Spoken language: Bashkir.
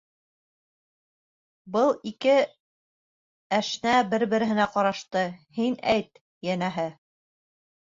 Был ике әшнә бер-береһенә ҡарашты, «һин әйт», йәнәһе.